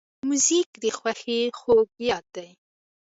موزیک د خوښۍ خوږ یاد دی.